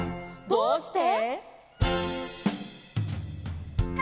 「どうして？」